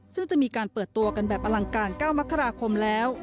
ซึ่งจะมีการเปิดตัวกันแบบอลังการ๙มกราคมแล้ว